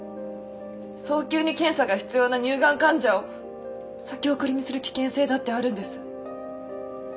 早急に検査が必要な乳がん患者を先送りにする危険性だってあるんです。